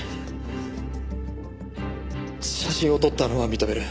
写真を撮ったのは認める。